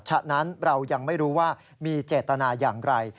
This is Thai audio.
ฉะนั้นเรายังไม่รู้ว่ามีเจตนาอย่างไร